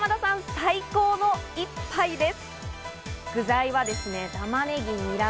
最高の一杯です。